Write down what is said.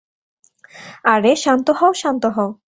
আরে, শান্ত হও, শান্ত হও!